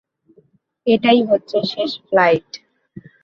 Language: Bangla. এটাই হচ্ছে শেষ ফ্লাইট।